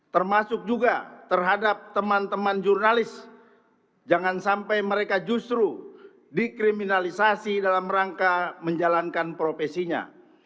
termasuk juga terhadap teman teman jurnalis jangan sampai mereka justru dikriminalisasi dalam rangka menjalankan profesinya